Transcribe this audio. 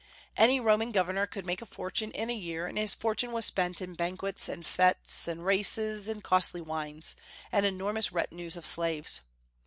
Any Roman governor could make a fortune in a year; and his fortune was spent in banquets and fêtes and races and costly wines, and enormous retinues of slaves.